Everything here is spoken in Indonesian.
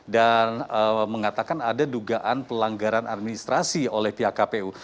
dan mengatakan ada dugaan pelanggaran administrasi oleh pihak kpu